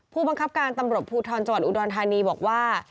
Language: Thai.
ผู้บังคับการตำรวจภูทรจังหวัดอุดรธานีบอกว่า